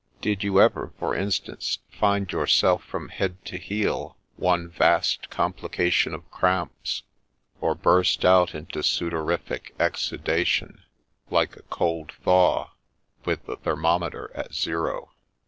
Did you ever, for instance, find yourself from head to heel one vast complica tion of cramps ?— or burst out into sudorific exudation like THE LEECH OF FOLKESTONE 69 a cold thaw, with the thermometer at zero